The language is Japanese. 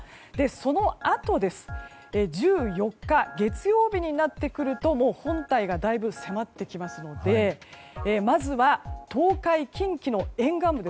そのあと１４日月曜日になってくるともう本体がだいぶ迫ってきますのでまずは、東海・近畿の沿岸部。